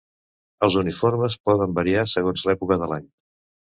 Els uniformes poden variar segons l'època de l'any.